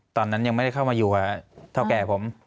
ตอนนั้นยังไม่ได้เข้ามาอยู่กับเท่าแก่ผม